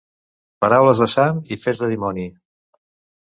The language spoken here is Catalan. Paraules de sant i fets de dimoni.